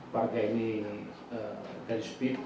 warga ini dari speed